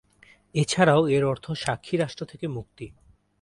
এছাড়াও এর অর্থ সাক্ষী রাষ্ট্র থেকে মুক্তি।